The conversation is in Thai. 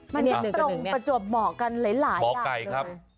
มันจะตรงประจวบหมอกกันหลายอย่าง